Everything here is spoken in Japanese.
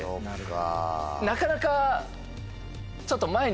なかなか。